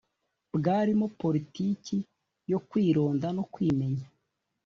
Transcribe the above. bwarimo politiki yo kwironda no kwimenya